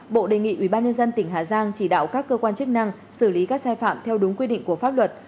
bộ đề nghị ubnd tỉnh hà giang chỉ đạo các cơ quan chức năng xử lý các sai phạm theo đúng quy định của pháp luật